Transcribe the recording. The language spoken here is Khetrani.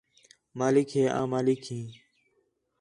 مالک ہے آں مالک ہیں